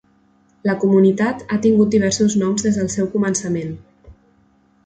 La comunitat ha tingut diversos noms des del seu començament.